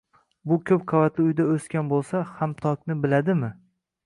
Bu ko`p qavatli uyda o`sgan bo`lsa, xomtokni biladimi